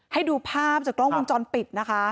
ให้ดูภาพจากกล้องวงจรปิดนะคะ